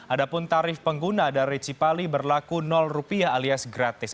ada pun tarif pengguna dari cipali berlaku rupiah alias gratis